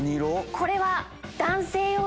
これは。